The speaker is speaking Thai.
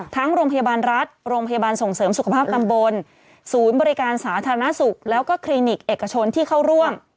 โรงพยาบาลรัฐโรงพยาบาลส่งเสริมสุขภาพตำบลศูนย์บริการสาธารณสุขแล้วก็คลินิกเอกชนที่เข้าร่วม